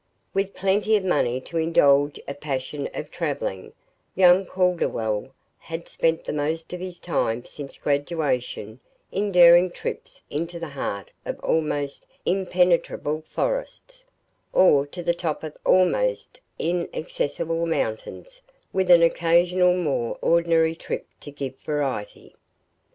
With plenty of money to indulge a passion for traveling, young Calderwell had spent the most of his time since graduation in daring trips into the heart of almost impenetrable forests, or to the top of almost inaccessible mountains, with an occasional more ordinary trip to give variety.